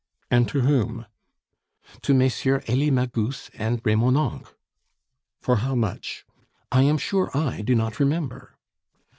"And to whom?" "To Messrs. Elie Magus and Remonencq." "For how much?" "I am sure I do not remember."